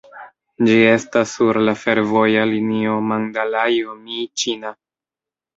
Ĝi estas sur la fervoja linio Mandalajo-Mjiĉina.